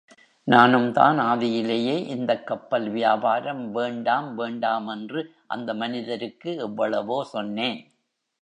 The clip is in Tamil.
நானும்தான் ஆதியிலேயே இந்தக் கப்பல் வியாபாரம் வேண்டாம் வேண்டாமென்று அந்த மனிதருக்கு எவ்வளவோ சொன்னேன்.